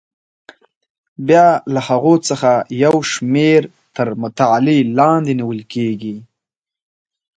بیا له هغو څخه یوه شمېره تر مطالعې لاندې نیول کېږي.